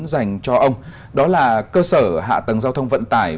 dành cho ông đó là cơ sở hạ tầng giao thông vận tải